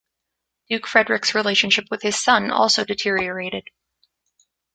Duke Frederick's relationship with his son also deteriorated.